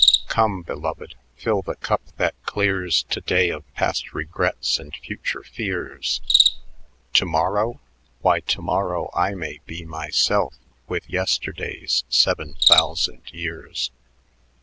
"Come, Beloved, fill the Cup that clears To day of past Regrets and future Fears. To morrow? Why, To morrow I may be Myself with Yesterday's seven thousand Years.